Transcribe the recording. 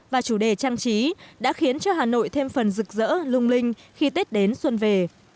và chủ đề trang trí đã khiến cho hà nội thêm phần rực rỡ lung linh khi tết đến xuân về